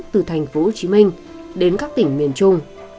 từ thành phố hồ chí minh đến các tỉnh miền trung